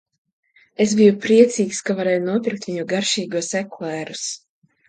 Es biju priecīgs, ka varēju nopirkt viņu garšīgos eklērus.